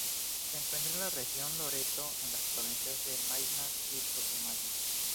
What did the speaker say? Se encuentra en la región Loreto, en las provincias de Maynas y Putumayo.